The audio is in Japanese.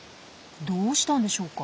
どうしたんでしょうか？